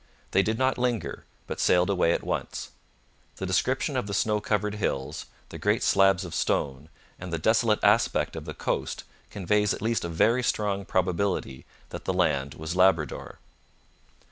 They did not linger, but sailed away at once. The description of the snow covered hills, the great slabs of stone, and the desolate aspect of the coast conveys at least a very strong probability that the land was Labrador.